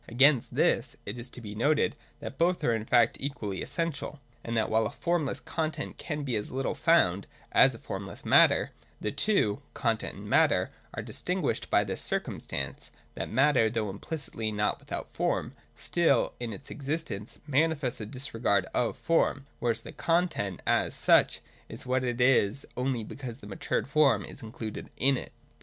Against this it is to be noted that both are in fact equally essential ; and that, while a formless content can be as little found as a formless matter, the two (content and matter) are distinguished by this circumstance, that matter, though implicitly not without form, still in its existence manifests a disregard of form, whereas the content, as such, is what it is only because the matured form is included in it.